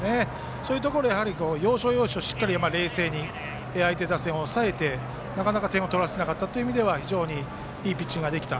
そういうところで要所、要所しっかり冷静に相手打線を抑えて、なかなか点を取らせなかったといういいピッチングができた。